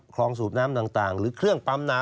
คลองสูบน้ำต่าง